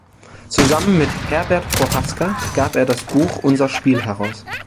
Zusammen mit Herbert Prohaska gab er das Buch Unser Spiel heraus.